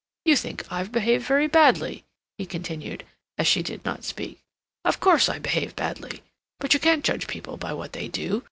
You think I've behaved very badly," he continued, as she did not speak. "Of course I behave badly; but you can't judge people by what they do.